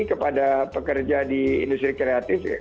kepada pekerja di industri kreatif